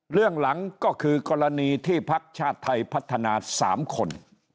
เรื่องหลังก็คือกรณีที่พักชาติไทยพัฒนา๓คน